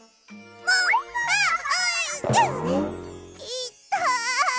いったい！